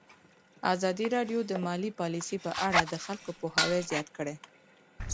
ازادي راډیو د مالي پالیسي په اړه د خلکو پوهاوی زیات کړی.